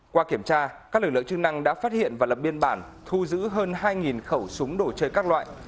qua kiểm tra các lực lượng chức năng đã phát hiện và lập biên bản thu giữ hơn hai khẩu súng đồ chơi các loại